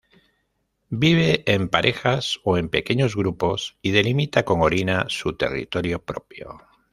Vive en parejas o en pequeños grupos y delimita con orina su territorio propio.